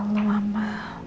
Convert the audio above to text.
ya allah mama